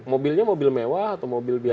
mobilnya mobil mewah atau mobil biasa